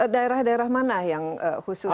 daerah daerah mana yang khusus